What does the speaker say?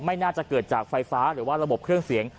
น่าจะเกิดจากไฟฟ้าหรือว่าระบบเครื่องเสียง